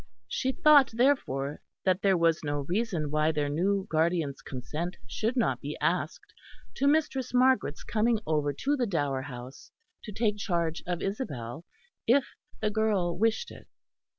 She thought therefore that there was no reason why their new guardian's consent should not be asked to Mistress Margaret's coming over to the Dower House to take charge of Isabel, if the girl wished it.